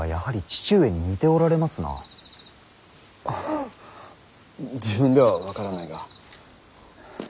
あ自分では分からないが。